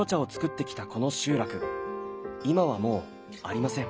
今はもうありません。